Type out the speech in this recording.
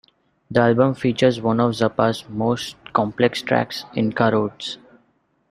The album features one of Zappa's most complex tracks, "Inca Roads".